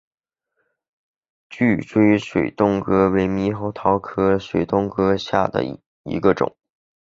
聚锥水东哥为猕猴桃科水东哥属下的一个种。